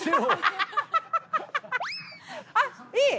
あっいい！